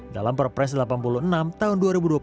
dalam perpres delapan puluh enam tahun dua ribu dua puluh